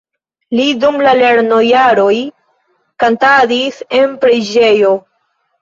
Li dum la lernojaroj kantadis en preĝejo.